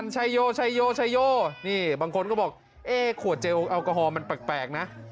ใช้โยบางคนก็บอกเอ๊ะขวดเจลแอลกอฮอล์มันแปลกนะ